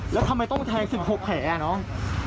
อ๋อแล้วทำไมต้องแทง๑๖แผลเนอะ